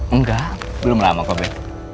engga belum lama kok ben